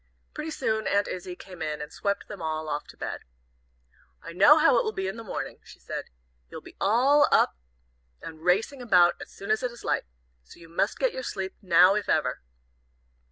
Pretty soon Aunt Izzie came in and swept them all off to bed. "I know how it will be in the morning," she said, "you'll all be up and racing about as soon as it is light. So you must get your sleep now, if ever."